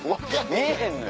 見えへんのよ。